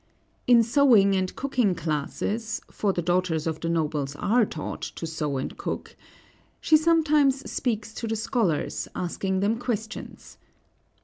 In sewing and cooking classes (for the daughters of the nobles are taught to sew and cook), she sometimes speaks to the scholars, asking them questions.